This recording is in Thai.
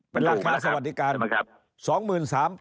เป็นลักษณ์ของรัฐสวัสดิการใช่ไหมครับ